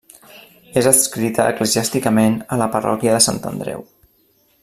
És adscrita eclesiàsticament a la parròquia de Sant Andreu.